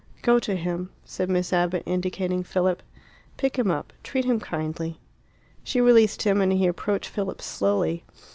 "Go to him," said Miss Abbott, indicating Philip. "Pick him up. Treat him kindly." She released him, and he approached Philip slowly.